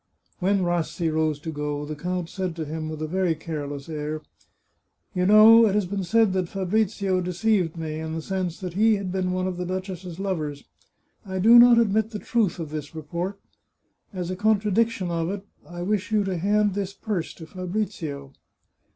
When Rassi rose to go, the count said to him, with a very careless air :" You know it has been said that Fabrizio deceived me, in the sense that he had been one of the duchess's lovers. I do not admit the truth of this report. As a contradiction of it, I wish you to hand this purse to Fabrizio."